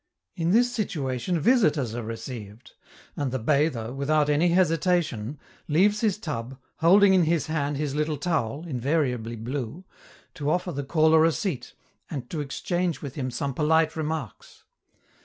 In this situation visitors are received; and the bather, without any hesitation, leaves his tub, holding in his hand his little towel (invariably blue), to offer the caller a seat, and to exchange with him some polite remarks.